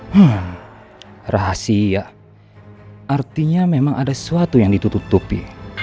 hmm rahasia artinya memang ada sesuatu yang ditutupi